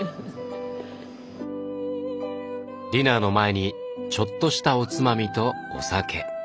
ディナーの前にちょっとしたおつまみとお酒。